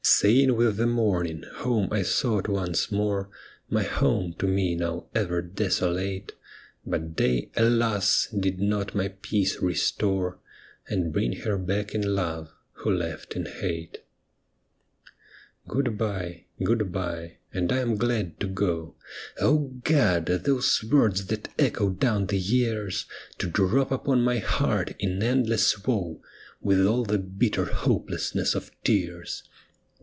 Sane with the morning, home I sought once more, My home to me now ever desolate ; But day, alas 1 did not my peace restore, And bring her back in love, who left in hate. ' Good bye,' ' Good bye,' ' and I am glad to go,' O God ! those words that echo down the years, To drop upon my heart in endless woe. With all the bitter hopelessness of tears.